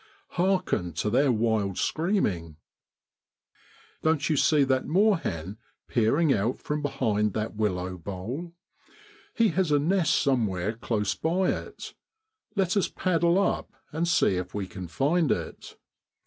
Hearken to their wild screaming ! Don't you see that moorhen peering out from behind that willow bole ? He has a nest somewhere close by it, let us paddle up and see if we can find it.